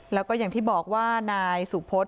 แล้วก็อย่างที่บอกว่านายสุพศ